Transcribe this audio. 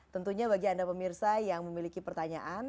tentunya bagi anda pemirsa yang memiliki pertanyaan